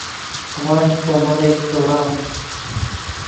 ئەوان کۆمەڵێک دۆڕاون.